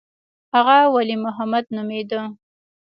هغه ولي محمد نومېده.